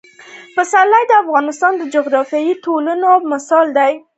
پسرلی د افغانستان د جغرافیوي تنوع مثال دی.